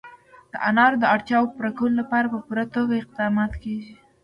د انارو د اړتیاوو پوره کولو لپاره په پوره توګه اقدامات کېږي.